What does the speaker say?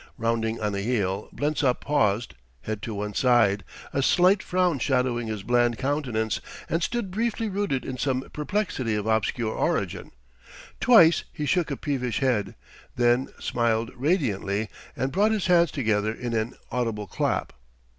Rounding on a heel, Blensop paused, head to one side, a slight frown shadowing his bland countenance, and stood briefly rooted in some perplexity of obscure origin. Twice he shook a peevish head, then smiled radiantly and brought his hands together in an audible clap.